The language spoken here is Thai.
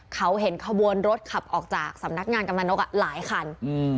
เขาเห็นขบวนรถขับออกจากสำนักงานกำลังนกอ่ะหลายคันอืม